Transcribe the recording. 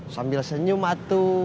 sambil senyum atu